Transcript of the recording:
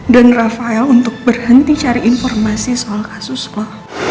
dan rafael untuk berhenti cari informasi soal kasus lo